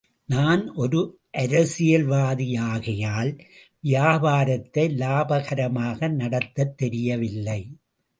நான் ஒரு அரசியல்வாதியாகையால், வியாபாரத்தை லாபகரமாக நடத்தத் தெரியவில்லை.